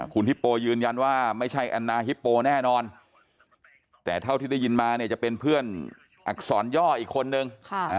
คุณฮิปโปยืนยันว่าไม่ใช่แอนนาฮิปโปแน่นอนแต่เท่าที่ได้ยินมาเนี่ยจะเป็นเพื่อนอักษรย่ออีกคนนึง